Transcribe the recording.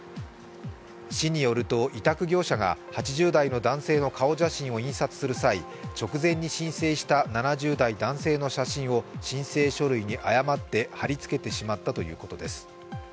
市によると委託業者が８０代の男性の顔写真を印刷する際、直前に申請した７０代男性の写真を申請書類に誤って貼り付けてしまったということです。